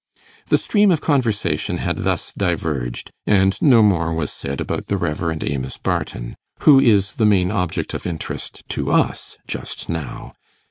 The stream of conversation had thus diverged: and no more was said about the Rev. Amos Barton, who is the main object of interest to us just now.